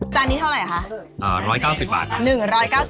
จานนี้เท่าไหร่คะ